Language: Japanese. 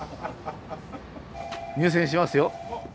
入線しますよ。